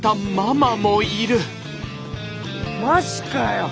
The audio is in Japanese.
マジかよ